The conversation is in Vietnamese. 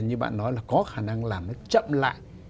như bạn nói là có khả năng làm nó chậm lại